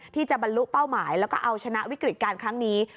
ที่จะบรรลุเป้าหมายแล้วก็เอาชนะวิกฤติการครั้งนี้